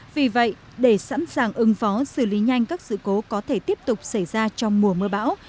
vì vậy để sẵn sàng ứng phó xử lý nhanh các sự cố có thể tiếp tục xảy ra trong mùa mưa bão